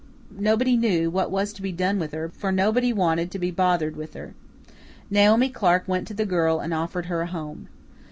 Nobody knew what was to be done with her, for nobody wanted to be bothered with her. Naomi Clark went to the girl and offered her a home.